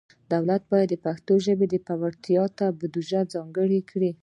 دولت باید د پښتو ژبې پیاوړتیا ته بودیجه ځانګړي کړي.